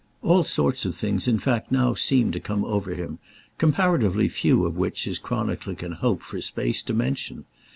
All sorts of things in fact now seemed to come over him, comparatively few of which his chronicler can hope for space to mention.